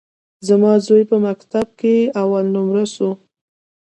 زما زوى په مکتب کښي اول نؤمره سو.